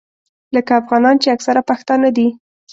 لکه افغانان چې اکثره پښتانه دي.